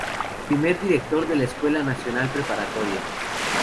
Primer director de la Escuela Nacional Preparatoria.